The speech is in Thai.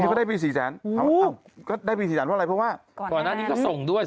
จริงก็ได้ไป๔แสนเพราะว่าก่อนหน้านี้ก็ส่งด้วย